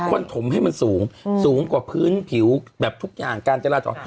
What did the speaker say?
คนถมให้มันสูงสูงกว่าพื้นผิวแบบทุกอย่างการจราจร